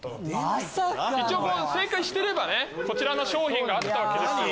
一応正解してればこちらの賞品があったわけですよ。